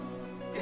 え！